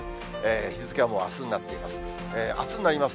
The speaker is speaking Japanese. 日付はもうあすになっています。